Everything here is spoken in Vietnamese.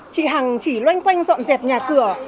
chị hằng chỉ loanh quanh dọn dẹp nhà cửa